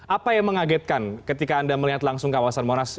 apa yang mengagetkan ketika anda melihat langsung kawasan monas